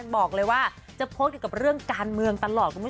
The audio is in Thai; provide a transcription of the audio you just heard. บอกเลยว่าจะพกที่กับเรื่องการเมืองตลอด